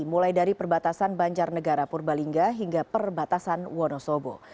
mulai dari perbatasan banjar negara purbalingga hingga perbatasan wonosobo